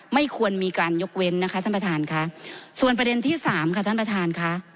ไม่ควรมีการยกเว้นนะคะท่านประธานค่ะ